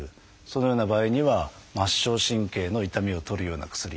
そのような場合には末梢神経の痛みを取るような薬。